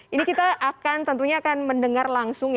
ini kita akan tentunya akan mendengar langsung